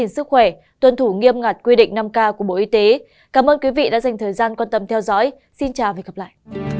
xin chào và hẹn gặp lại